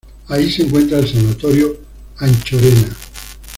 Ahí se encuentra el Sanatorio Anchorena.